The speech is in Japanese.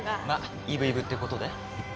まっイブイブってことで。